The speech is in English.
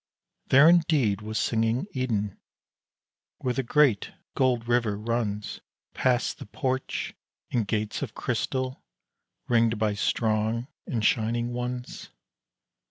There indeed was singing Eden, where the great gold river runs Past the porch and gates of crystal, ringed by strong and shining ones!